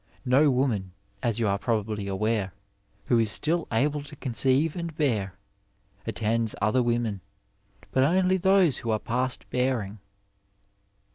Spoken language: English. No woman, as you are probably aware, who is still able to conceive and bear, attends other women, but only those who are past bearing.